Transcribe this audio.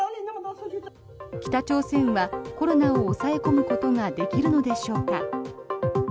北朝鮮はコロナを抑え込むことができるのでしょうか。